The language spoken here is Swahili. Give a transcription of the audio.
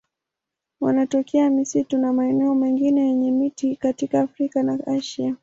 Wanatokea misitu na maeneo mengine yenye miti katika Afrika na Asia.